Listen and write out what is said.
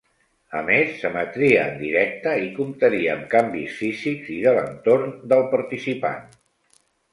A més, s'emetria en directe i comptaria amb canvis físics i de l'entorn del participant.